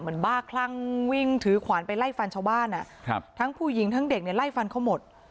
บ้าคลั่งวิ่งถือขวานไปไล่ฟันชาวบ้านทั้งผู้หญิงทั้งเด็กเนี่ยไล่ฟันเขาหมด